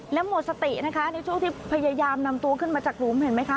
และหมดสตินะคะในช่วงที่พยายามนำตัวขึ้นมาจากหลุมเห็นไหมคะ